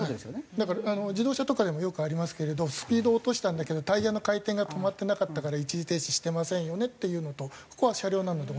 だから自動車とかでもよくありますけれどスピード落としたんだけどタイヤの回転が止まってなかったから一時停止してませんよねっていうのとここは車両なので同じ理屈で。